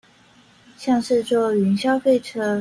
像是坐雲霄飛車